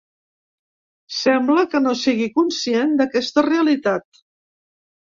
Sembla que no sigui conscient d’aquesta realitat.